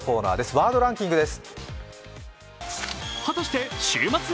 ワードランキングです。